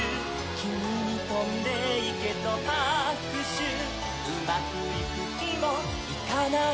「キミにとんでいけとはくしゅ」「うまくいくひもいかないときも」